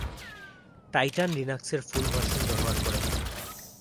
Titan লিনাক্সের full version ব্যবহার করে।